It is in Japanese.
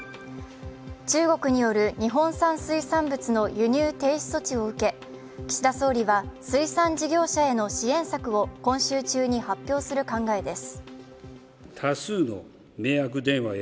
中国による日本産水産物の輸入停止措置を受け岸田総理は水産事業者への支援策を今週中に発表する考えです。